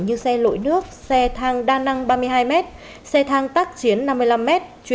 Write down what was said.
như xe lội nước xe thang đa năng ba mươi hai m xe thang tác chiến năm mươi năm m